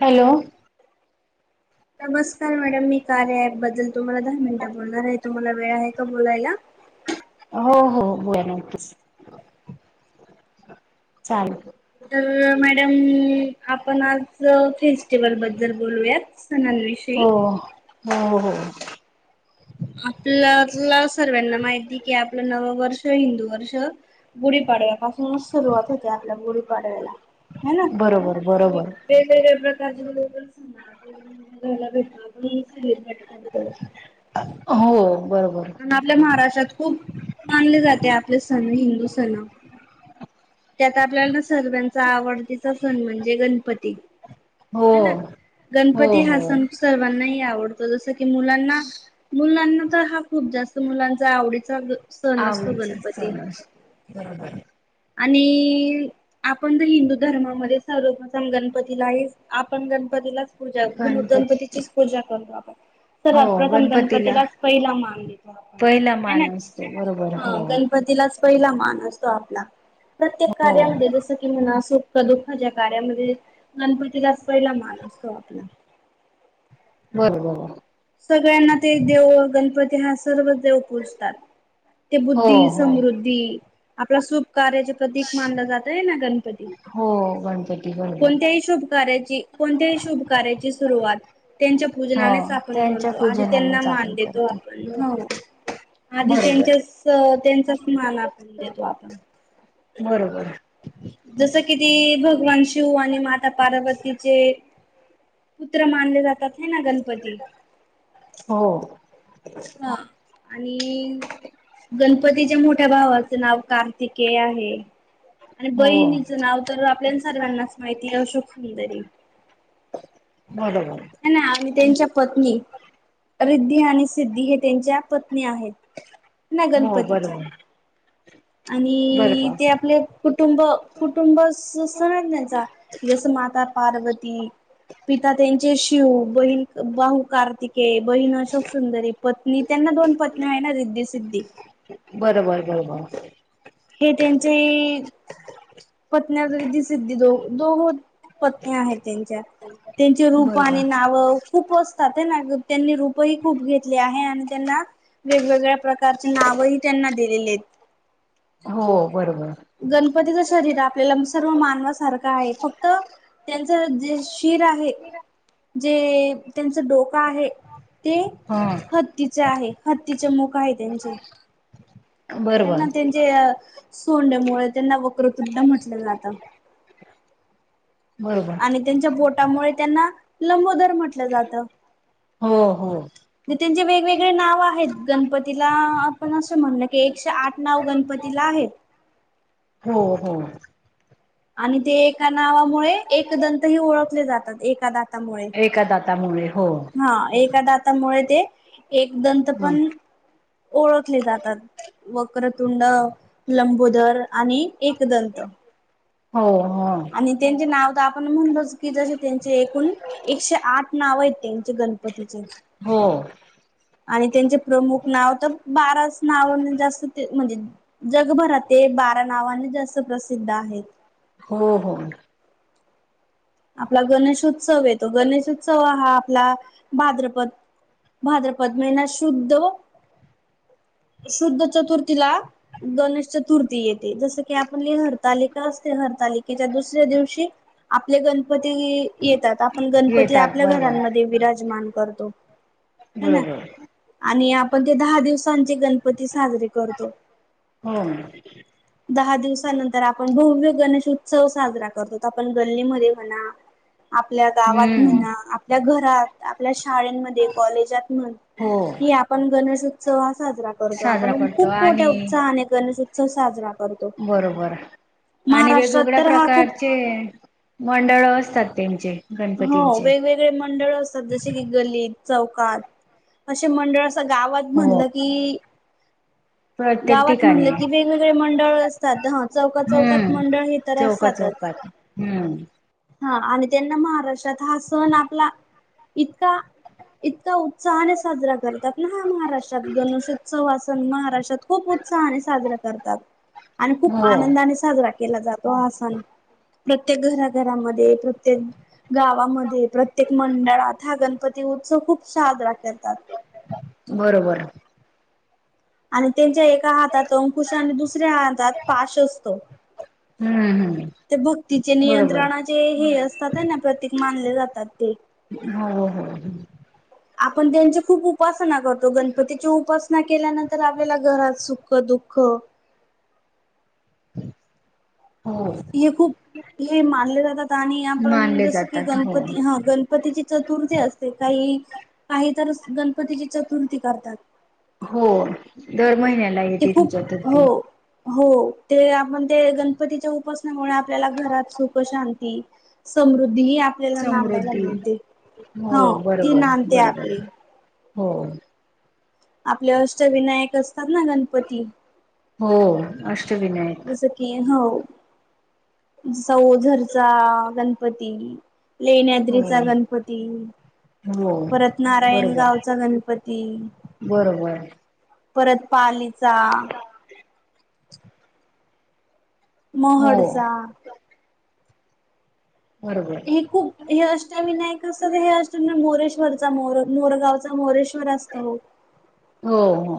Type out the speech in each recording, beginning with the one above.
Hello. नमस्कार madam मी कार्या ऍप बद्दल तुम्हाला दहा मिनिटं बोलणार आहे तुम्हाला. वेळ आहे का बोलायला. हो हो बया नकीच चाले, तर मॅडम आपण आज फिस् [unintelligible] बद्दल बोलूयात सणांविषयी हो हो हो, आपल्याला सर्व्यांना माहिती की आपलं नव वर्ष हिंदू वर्ष गुढी पाडव का? सुरुवात होते आपल्या गुढी पाड्याला ह ना? बरोबर बरोबर वेगवेगळे, लर ना जाायला भेटण हो! बरोबर आपल्या महाराष्ट्रात खूप मानले जाते आपले सण हिंदु, त्यात आपल्याला सर्वांचा आवडतीचा सण म्हणजे गणपती, [unintelligible] हो! ह ना. हो गणपती हा हो सण सर्वांनाही आवडतो जस की मुलांना मुलांना हा खूप जास्त मुलांचा आवडीचा सण असतो आच गणपती लू बरोबर आहे. आणि आपण तर हिंदू धर्मामध्ये सर्वप्रथम गणपतीला आहे आपण गणपतीला पूजा गणपती गणगणपतीचीच पूजा करू आपण, हो सर्वात प्रथम गणपतीला गणपतीलाच पहिला मान देतो आपण पहिला आहे ना मान असतो बरोबर हो ह गणपतीलाच. पहिला मान असतो आपला. प्रत्येक हो कार्यामध्ये जसं की म्हणा दुःखाच्या कार्यामध्ये गणपतीलाच पहिला मान असतो आपला, बरोबर! सगळ्यांना ते देव गणपती हा सर्व देव पुजतात. ते हो बुद्धी हो समृद्धी आपला सुप कार्याच प्रतीक मानलं जातय हेना ना गणपती, हो [unintelligible] कोणत्याही शुभ कार्याची कोणत्याही शुभ कार्याची सुरुवात त्यांच्या हो पूजनाने सा त्यांच्या आध त्यांना पूजनानेच आपण मान देतो करतो आप आ बरोबर त्यांच्या त्यांचा स् मान आपण देतो आपण. बरोबर! जस किती बघ, भगवान शिव आणि माता पार्वतीचे पुत्र मानले जातात. हे ना गणपती हो! हा आणि गणपतीच्या मोठ्या भावाचं नाव का आहे आणि हो बहिणीच नाव तर आपल्या सर्वांनाच माहिती आहे अशोक सुंदरी, बरोबर. ह ना आणि त्यांच्या पत्नी रिद्धी आणि सिद्धी हे त्यांच्या पत्नी आहेत. नाही हो गणपतीच्या बरोबर आणि बरोबर ते आपले कुटुंब कुटुंब सण त्यांचा की जसं माता पार्वती पिता त्यांचे शिव बहीण बाहू कार्तिक बहीण अशोक सुंदरी पत्नी त्यांना दोन पत्नी आहे ना रिद्धी सिद्दी, बरोबर! बरोबर! हे त्यांचे पत्न [unintelligible] दिस दो दोघ पत्नी आहेत त्यांच्या त्यांचे रूप बरोबर आणि नाव खूप असतात आहे ना! त्यांनी रूपही खूप घेतले आहे आणि त्यांना वेगवेगळ्या प्रकारचे नावही त्यांना दिलेले आहेत. हो बरोबर गणपतीच शरीर आपल्याला सर्व मानवासारखं आहे फक्त त्यांच जे शिर आहे जे त्यांच डोका आहे ते, हा हत्तीचे आहे हत्तीचे मुख आहे त्यांचे त्यांना बरोबर त्यांचे सोंडमुळे त्यांना वक्रतृ म्हटलं जातं बरोबर आणि त्यांच्या बोटामुळे त्यांना लंबोदर म्हटलं जात हो हो त्यांचे वेगवेगळे नाव आहेत गणपतीला आपण असं म्हणल की एकशे आठ नाव गणपती दि आहे हो हो आणि ते एका नावामुळे एक दंतही ओळखले जातात एका द एका दातामुळे हो हा एका दातामुळे ते एक दंत हो पण ओळखले जातात वक्रतुंड लंबोदर आणि एक दंत हो आणि त्यांचे नाव तर आपण म्हणलोच की जसे त्यांचे एकूण एकशे आठ नाव आहेत त्यां गणपतीचे हो आणि त्यांचे प्रमुख नाव तर बाराच नाव जास्त ते म्हणजे जगभरातील ते बारा नावाने जास प्रसिद्ध आहेत हो हो आपला गणेशोत्सव येतो गणेशोत्सव हा आपला भाद्रपद भाद्रपद महिना शुद्ध शुद्ध चतुर्थीला गणेश चतुर्थी येते जस की आप हरतालिका असते हरतालिकेच्या दुसऱ्या दिवशी आप गण गणपती येतात आपण गणपती येतात आपल्या बरोबर घरांमध्ये विराजमान करतो ह ना बरोबर आणि आपण ते दहा दिवसांचे गणपती साजरे करतो हो दहा दिवसानंतर आपण भव्य गणेश उत्सव साजरा करतो आपण गल्लीमध्ये म्हणा आपल्या गावात हम्म म्हणा आपल्या घरात आपल्या शाळमध्ये कॉलेजात हो ह आपण गणेशोत्स साजरा करतो साजरा आपण करतो खूप आणि मोठ्या उत्साहाने गणेश उत्सव साजरातो बरोबर आणि महाराष्ट्रात वेगवेगळ्या तर हा खूप प्रकारचे मंडळ असतात त्यांचे हो गणपतींचे वेगवेगळे मंडळ असतात जसे की गलत चौकात असे मंडळ अस गावात हो म्हणलं की प्रत्येक गावात म्हणलं ठिकाणी की वेगवेगळे मंडळ असतात ह चौकात चौकात हम्म मंडळ हे तर चौका असतातच हम्म हा आणि त्यांना महाराष्ट्रात हा सण आपला इतका इतका उत्साहाने साजरा करतात ना हा महाराष्ट्रात गणेशोत्सव अस महाराष्ट्रात खूप उत्साहाने साजरा करतात आणि खूप हो आनंदाने साजरा केला जातोण प्रत्येक घरात घरामध्ये प्रत्येक गावामध्ये प्रत्येक मंडळात हा गणपती उत्सव खूप साजरा करत बरोबर आणि त्यांच्या एका हातात अंकुश आणि दुसऱ्या हातात पाश असतो हम्म हम ते भक्तीचे नियंत्रणाचे हे असतात आहे ना प्रतीक मानले जातात ते हो हो हो हो आपण त्यांची खूप उपासना करतो गणपतीची उपासना केल्यानंतर आपल्याला घरात सुखः दुःख हो हे खूप हे मानले जातात आणि आपण मानले जसं की जातात हो गणपती हा गणपतीची चतुर्थी असते काही काही तर गणपतीची चतुर्थी करतात हो दर महिन्याला ते येते ति खूप हो चतुर्थी हो ते आपण ते गणपतीच्या उपासनामुळे आपल्याला घरात सुख शांत ती समृद्ध द्धि आपल्याला नांदायला समृद्धी मिळते हो ह ती बरोबर नांदते बरोबर आपली हो आपले अष्टविनायक असतात ना गणपती हो अष्टविनायक जसं की हो जसा ओझरचा गणपती हो लेण्याद्रिचा गणपती हो परत नारायण बरोबर गावचा गणपती बरोबर परत पालीचा हो महडचा बरोबर हे खूप हे अष्टविनायक अस हे असुनां मोरे वरचा मोरगावचा मोरेश्वर असतो हो हो हो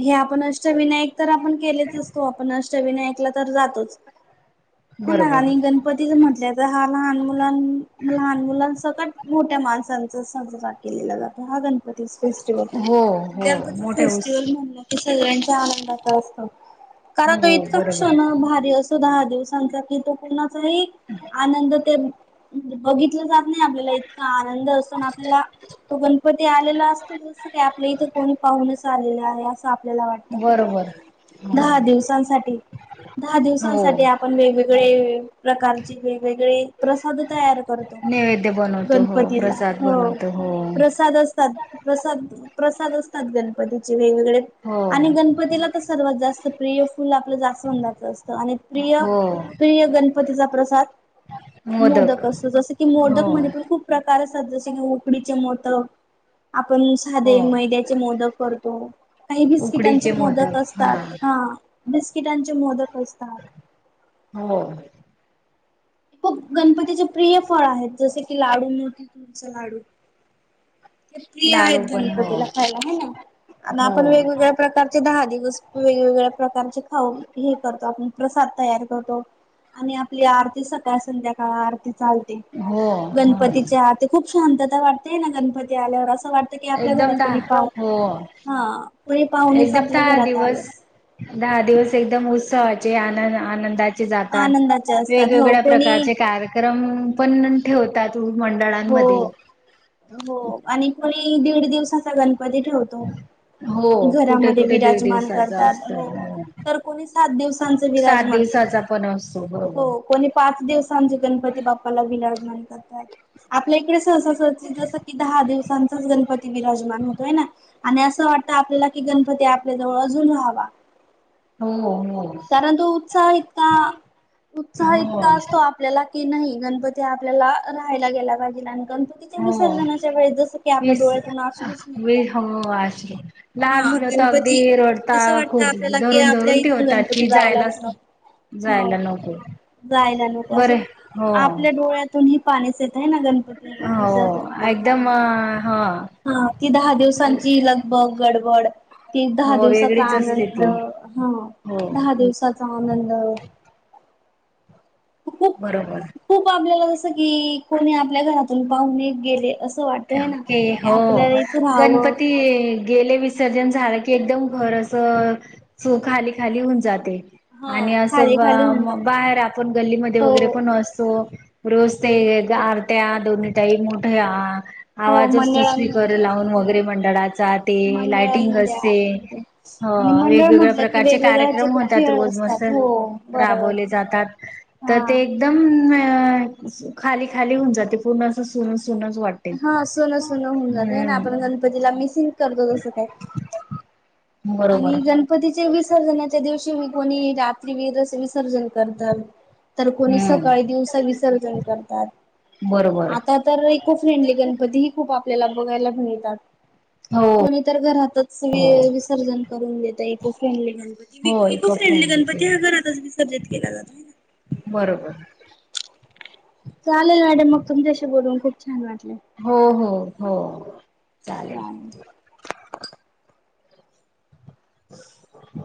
हे आपण अष्टविनायक तर आपण केलेच असतो आपण अष्टविनायकला तर जातोच ह ना बरोबर आणि गणपतीच म्हटल्या तर हा लहान मुलां लहान मुलां सकट मोठ्या माणसांचा साजरा केलेला जातो हा गण णपती फेस्टिवल हो हो गणपती मोठ्या फेस्टि उस सगळ्यांच्या आनंदाचा असत कारण तो हो इतका बरोबर क्षण भारी असतो दहा दिवसांचा तिथ कोणाचाही आनंद ते बघीतला जा त नाही आपल्याला इतका आनंद असतो ना आपल्याला तो गणपती आलेला असतो जसं कि आपल्या इथं कोणी पाहूनेच आलेला आहे आपल्याला वाटत बरोबर हो दहा दिवसांसाठी दहा हो दिवसांसाठी आपण वेगवेगळे प्रकारचे वेगवेगळे प्रसाद तयार करतो नैवेद्य बनवतो हो गणपतीला प्रसाद हो बनवतो प्रसाद असतात प्रसाद प्रसाद असतात गणपतीचे वेगवेगळे हो आणि गणपतीला तर सर्वात जास्त प्रिय फुल आपलं जास्वंदाचं असतं आणि प्रिय हो प्रिय गणपतीचा प्रसाद मोदक असतो जस की हो मोदक मध्ये पण खूप प्रकार अस तात जसे की उकडीचे मोदक आपण हो साधे मैद्याचे मोदक करतो काही बिस्किटांचे मोदक असतात हा बिस्किटांचे मोदक असतात हो प गणपतीचे प्रिय फळ आहेत जसे की लाडू मोतीचुरचा लाडू ते प्रिय आहेत लाडू पण हो गणपतीला खायला हं आणि हो आपण वेगवेगळ्या प्रकारचे दहा दि दिवस वेगवेगळ्या प्रकारचे खाऊ हे करतो आपण प्रसाद तयार करतो आणि आपली आरती सकाळ संध्याकाळ आरती चालते हो हो गणपतीचे ते खूप शांतता वाटतेय ना गणपती आल्यावर अस अस वाटत की आपल्या घरात एकदम दहा कोणी पाहु हो हा कोणी पाहूणेच एकदम आपल्या दहा घरात आलं दिवस दहा दिवस एकदम उत्सवाचे आनंद आनंदा चे जातात आनंदाचे असतात हो वेगवेगळ्या कोणी प्रकारचे कार्यक्रम पण ठेवतात हो मंडळांमध्ये हो आणि कोणी दीड दिवसाचा गणपती ठेवतो हो कुठे घरामध्ये कुठे दीड विराजमान दिवसाचा करतात असतो हो तर कोणी सात दिवसांच सात विराजमान दिवसाचा पण असतो बरोबर हो कोणी पाच दिवसांचे गणपती बाप्पाला विरा जमान करतात आपल्या इकडे जस की दहा दिवसांचाच गणपती विराजमान होतोय ना आणि असं वाटतं आपल्याला कि गणपती आपल्या जवळ अजून राहावा हो हो कारण तो उत्साह इतका उत्साह हो इतका असतो आपल्याला की नाही गणपती आपल्याला राहायला गेला पाहिजेला हो वीस डोळ्यातून अश्रूच वी निघतात लहान हा मुलं तो अगदी गणपती रडता असं वाटतं खूप आपल्याला की धरून आपल्या धरून इथून ठेवतात गणपती की जायलाच नको हो जायला नको जायला नको बरे असं हो. आपल्या डोळ्यातून हे पाणीच येत ना गणपती मी ज हो करताना. एकदम हा हा ती दहा दिवसांची लगबग गडबड. ती दहा हो दिवसाचा वेगळीच असते आनंद ती हा. हो दहा दिवसाचा आनंद. खूप बरोबर. खूप आपल्याला की कोणी आपल्या घरातून पाहणे गेले अस. क हो राहावं गणपती. गेले विसर्जन झालं की एकदम घर अस सु खाली खाली होऊन जाते. ह आणि असं खाली खाली होणार बाहेर आपण गल्लीमध्ये वगैरे पण हो असतो रोज. ते आरत्या दोन्ही टाईम मोठ्या. हो आवाज असतो स्पीकर मंडळांमध्ये लावून हो वगैरे मंडळाचा ते लाइटिंग मंडळांमध्ये असते. म्हणजे हो आणि मंडळ वेगवेगळ्या म्हटलं की प्रकारचे वेगवेगळ्या ह्याचे कार्यक्रम पण होतात खेळ रोज मस्त असतात हो बरोबर राबवले जातात. तर ते हा. एकदम अ खाली खाली होऊन जाते पूर्ण अस सुन सुन. हा सोनं सोनं होऊन जातंय ना आपण गणपतीला मिसिंग करतो तसं काय. आणि बरोबर गणपतीचे विसर्जनाच्या दिवशी. कोणी रात्री वरस विसर्जन करतात. तर कोणी हम्म सकाळी दिवसा विसर्जन करतात. बरोबर आता तर इको फ्रेंडली गणपती ही खूप. आप बघायलाात हो कोणी तर घरातच. हो देत eco friendly Ganpati eco friendly Ganpati ह्या घरातच विसर्जित केला जातो. बरोबर. चालेल मॅडम मग तुमच्याशी बोलून खूप. छान वाटले. हा हो हो. का. चालेल ह. हम्.